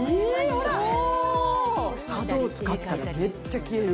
角を使ったらめっちゃ消える。